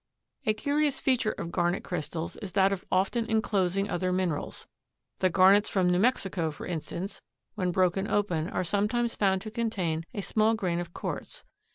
A curious feature of garnet crystals is that of often inclosing other minerals. The garnets from New Mexico, for instance, when broken open are sometimes found to contain a small grain of quartz.